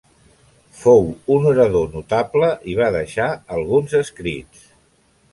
Fou un orador notable i va deixar alguns escrits.